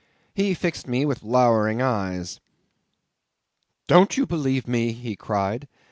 He fixed me with lowering eyes. "Don't you believe me?" he cried.